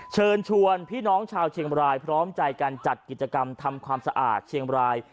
เชิญชวนพี่น้องชาวเชียงบรายพร้อมใจการจัดกิจกรรมทำความสะอาดเชียงบราย